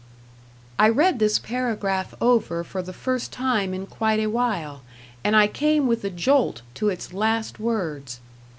I read this paragraph over for the first time in quite a while, and I came with a jolt to its last words.